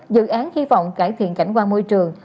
dự án hy vọng cải thiện cảnh quan môi trường